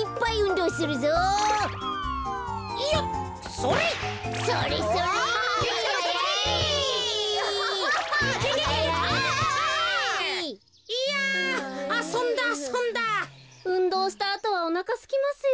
うんどうしたあとはおなかすきますよ。